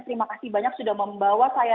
terima kasih banyak sudah membawa saya